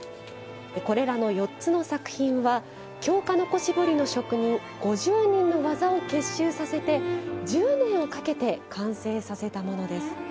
これらの４つの作品は京鹿の子絞りの職人５０人の技を結集させて、１０年をかけて完成させたものです。